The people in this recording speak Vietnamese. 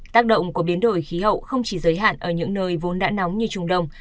tác động của biến đổi khí hậu không chỉ giới hạn ở những nơi vốn đã nóng như trung đông